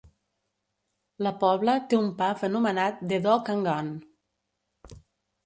La poble té un pub anomenat The Dog and Gun.